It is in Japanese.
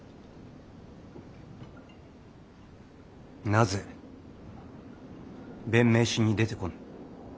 なぜ弁明しに出てこぬ？